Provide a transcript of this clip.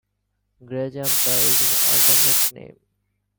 "Grey jumper" is an alternate name.